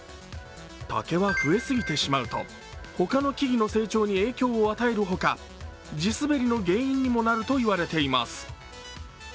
竹は増えすぎてしまうとほかの木々の成長に影響を与えるほか、地滑りの原因にもなると言われています。